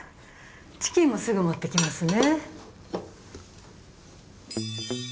チキンもすぐ持ってきますね。